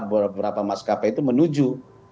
beberapa maskapai itu menuju